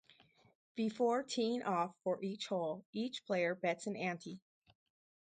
Before teeing off for each hole, each player bets an ante.